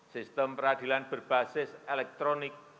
sistem peradilan berbasis elektronik